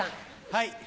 はい。